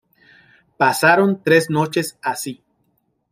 Pasaron tres noches así.